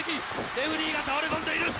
レフェリーが倒れ込んでいる。